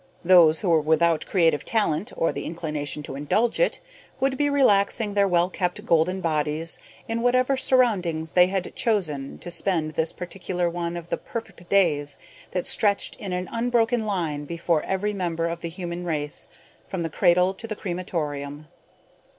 Those who were without creative talent or the inclination to indulge it would be relaxing their well kept golden bodies in whatever surroundings they had chosen to spend this particular one of the perfect days that stretched in an unbroken line before every member of the human race from the cradle to the crematorium.